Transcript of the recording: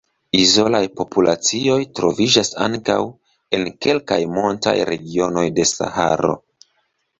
Izolaj populacioj troviĝas ankaŭ en kelkaj montaj regionoj de Saharo.